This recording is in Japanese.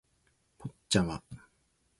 ポッチャマ